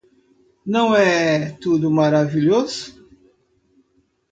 Não é tudo maravilhoso?